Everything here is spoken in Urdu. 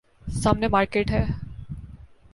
سامنے مارکیٹ ہے۔